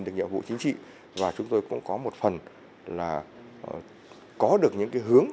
được nhiệm vụ chính trị và chúng tôi cũng có một phần là có được những cái hướng